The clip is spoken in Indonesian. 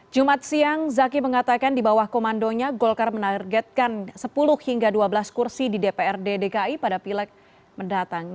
jumat siang zaki mengatakan di bawah komandonya golkar menargetkan sepuluh hingga dua belas kursi di dprd dki pada pileg mendatang